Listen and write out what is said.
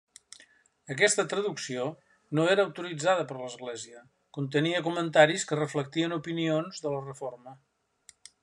Aquesta traducció no era autoritzada per l'Església; contenia comentaris que reflectien opinions de la Reforma.